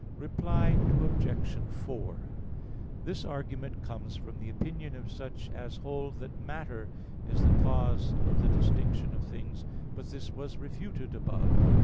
Reply Obj. 4: This argument comes from the opinion of such as hold that matter is the cause of the distinction of things; but this was refuted above (Q.